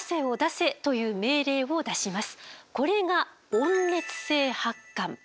これが温熱性発汗。